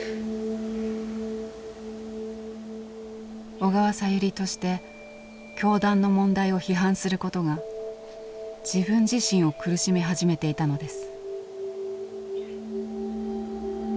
「小川さゆり」として教団の問題を批判することが自分自身を苦しめ始めていたのです。